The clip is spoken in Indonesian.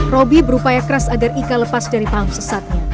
robi berupaya keras agar ika lepas dari paham sesatnya